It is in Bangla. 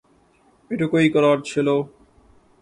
এটুকুই করার ছিল।